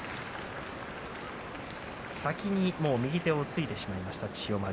先に右手をついてしまいました千代丸。